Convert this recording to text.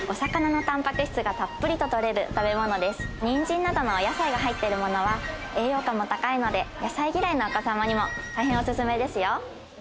にんじんなどのお野菜が入ってるものは栄養価も高いので野菜嫌いのお子様にも大変オススメですよ